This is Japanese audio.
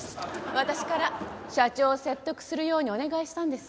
私から社長を説得するようにお願いしたんです。